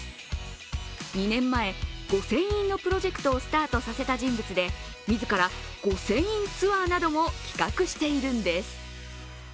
２年前、御船印のプロジェクトをスタートさせた人物で自ら御船印ツアーなども企画しているんです。